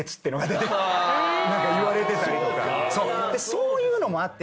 そういうのもあって。